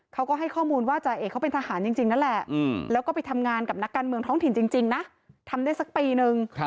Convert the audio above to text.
เขาก็ให้ข้อมูลว่าจ่าเอกเขาเป็นทหารจริงนั่นแหละแล้วก็ไปทำงานกับนักการเมืองท้องถิ่นจริงนะทำได้สักปีนึง